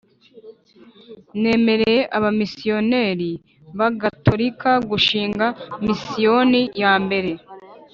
remereye abamisiyonari b Abagatolika gushinga misiyoni ya mbere